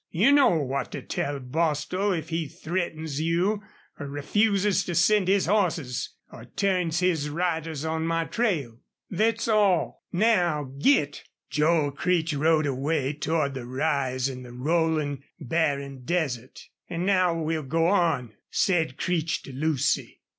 You know what to tell Bostil if he threatens you, or refuses to send his hosses, or turns his riders on my trail. Thet's all. Now git!" Joel Creech rode away toward the rise in the rolling, barren desert. "An' now we'll go on," said Creech to Lucy.